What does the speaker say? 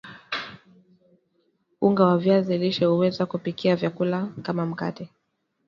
unga wa viazi lishe huweza kupikia vyakula kama mkate